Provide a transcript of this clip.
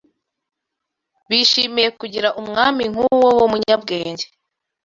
bishimiye kugira umwami nk’uwo w’umunyabwenge